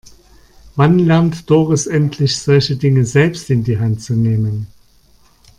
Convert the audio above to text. Wann lernt Doris endlich, solche Dinge selbst in die Hand zu nehmen?